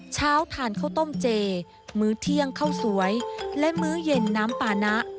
เช้าทานข้าวต้มเจมื้อเที่ยงข้าวสวยและมื้อเย็นน้ำปานะ